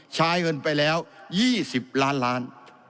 ใช้เงินไปแล้ว๒๐ล้านล้าน